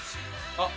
あっ！？